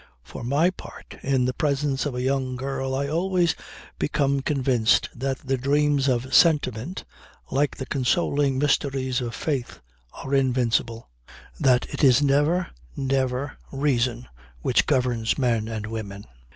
For my part, in the presence of a young girl I always become convinced that the dreams of sentiment like the consoling mysteries of Faith are invincible; that it is never never reason which governs men and women.